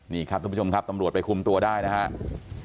นี่ครับทุกผู้ชมครับตำรวจไปคุมตัวได้นะครับ